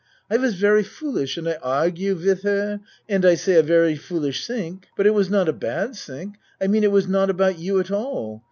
I was very foolish and I argue wid her and I say a very foolish ting but it was not a bad ting I mean it was not about you at all.